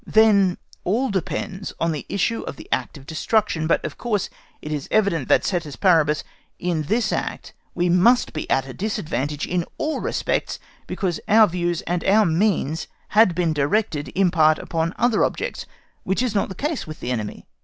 Then all depends on the issue of the act of destruction; but of course it is evident that, ceteris paribus, in this act we must be at a disadvantage in all respects because our views and our means had been directed in part upon other objects, which is not the case with the enemy.